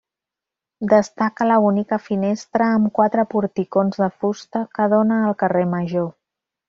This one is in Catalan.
Destaca la bonica finestra amb quatre porticons de fusta que dóna al carrer Major.